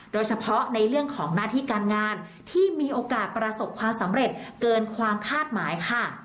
โดยเฉพาะในเรื่องของหน้าที่การงานที่มีโอกาสประสบความสำเร็จเกินความคาดหมายค่ะ